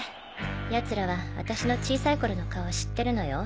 奴らは私の小さい頃の顔を知ってるのよ。